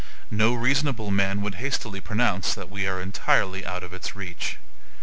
No reasonable man would hastily pronounce that we are entirely out of its reach.